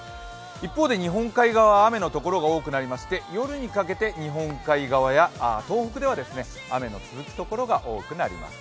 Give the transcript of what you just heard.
一方で日本海側は雨のところが多くなりまして夜にかけて日本海側や東北では雨の続くところが多くなります。